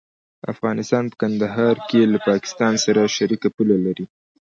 افغانستان په کندهار ولايت کې له پاکستان سره شریکه پوله لري.